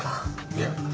いや。